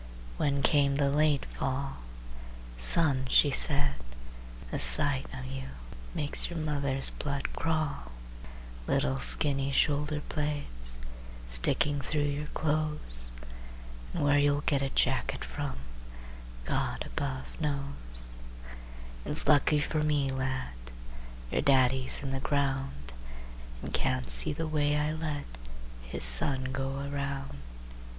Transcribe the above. When came the late fall, "Son," she said, "the sight of you Makes your mother's blood crawl,– "Little skinny shoulder blades Sticking through your clothes! And where you'll get a jacket from God above knows. "It's lucky for me, lad, Your daddy's in the ground, And can't see the way I let His son go around!"